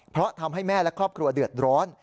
เพราะทำให้แม่และครอบครัวเดือดร้อน